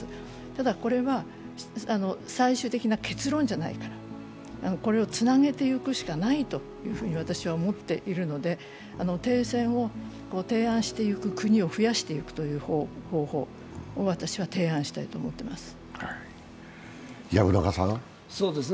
ただ、これは最終的な結論じゃないからこれをつなげていくしかないと私は思っているので停戦を提案していく国を増やしていく方法を私は提案したいと思っています。